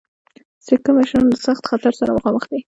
سیکه مشران له سخت خطر سره مخامخ دي.